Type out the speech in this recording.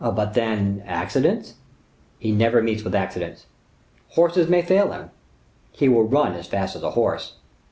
"But, then, accidents?" "He never meets with accidents." "Horses may fail him." "He will run as fast as a horse."